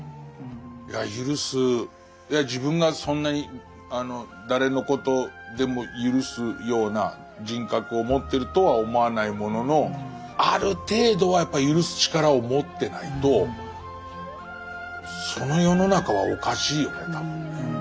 いやゆるす自分がそんなに誰のことでもゆるすような人格を持ってるとは思わないもののある程度はやっぱりゆるす力を持ってないとその世の中はおかしいよね多分ね。